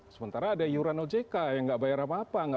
sementara ada iuran ojk yang nggak bayar apa apa